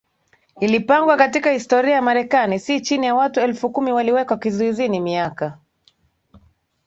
ilipangwa katika historia ya Marekani si chini ya watu elfu kumi waliwekwa kizuizini miaka